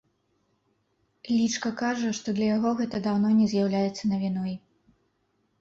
Лічка кажа, што для яго гэта даўно не з'яўляецца навіной.